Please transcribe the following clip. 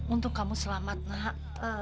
untung kamu selamat nak